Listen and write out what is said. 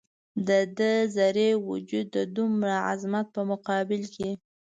د ده ذرې وجود د دومره عظمت په مقابل کې.